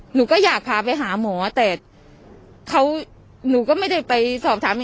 หนูก็อยากพาไปหาหมอแต่เขาหนูก็ไม่ได้ไปสอบถาม